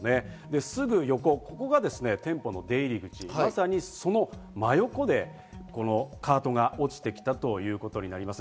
すぐ横、ここが店舗の出入り口、まさにその真横でカートが落ちてきたということになります。